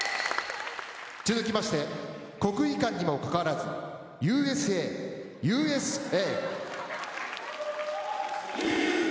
続きまして、国技館にもかかわらず、Ｕ．Ｓ．Ａ．、Ｕ．Ｓ．Ａ．。